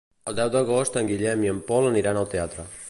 El deu d'agost en Guillem i en Pol aniran al teatre.